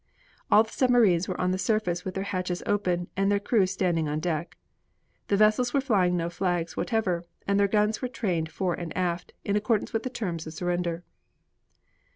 All the submarines were on the surface with their hatches open and their crews standing on deck. The vessels were flying no flags whatever and their guns were trained fore and aft, in accordance with the terms of surrender.